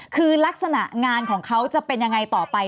คือลักษณะงานของเขาจะเป็นยังไงต่อไป